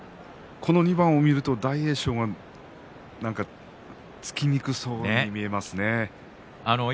この２番を見ると大栄翔が突きにくそうに見えますね。